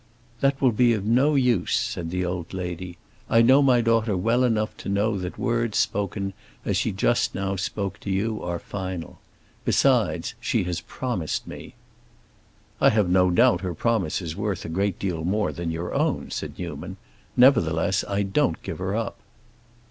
"That will be of no use," said the old lady. "I know my daughter well enough to know that words spoken as she just now spoke to you are final. Besides, she has promised me." "I have no doubt her promise is worth a great deal more than your own," said Newman; "nevertheless I don't give her up."